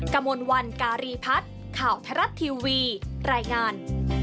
กระมวลวันการีพัฒน์ข่าวไทยรัฐทีวีรายงาน